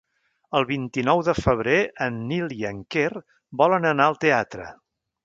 El vint-i-nou de febrer en Nil i en Quer volen anar al teatre.